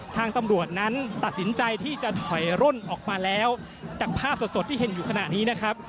ทางตำรวจนั้นตัดสินใจที่จะถอยร่นออกมาแล้วจากภาพสดที่เห็นอยู่ขณะนี้นะครับ